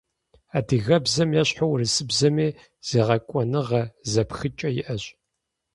Адыгэбзэм ещхьу урысыбзэми зегъэкӏуэныгъэ зэпхыкӏэ иӏэщ.